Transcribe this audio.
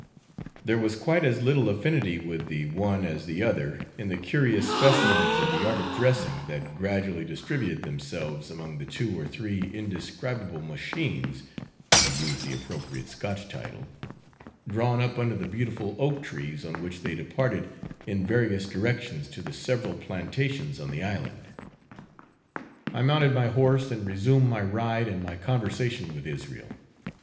There was quite as little affinity with the one as the other in the curious specimens of the 'art of dressing' that gradually distributed themselves among the two or three indescribable machines (to use the appropriate Scotch title) drawn up under the beautiful oak trees, on which they departed in various directions to the several plantations on the island. I mounted my horse, and resumed my ride and my conversation with Israel.